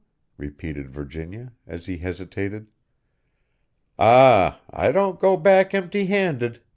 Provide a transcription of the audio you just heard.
repeated Virginia, as he hesitated. "Ah, I don't go back empty handed!"